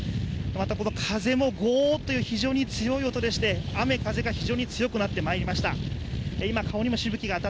この風もゴーッという非常に強い音でして雨・風が非常に強くなってまいりました。